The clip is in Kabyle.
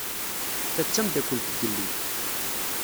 Ta d tameddakelt n yelli.